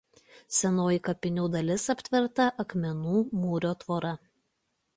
Senoji kapinių dalis aptverta akmenų mūro tvora.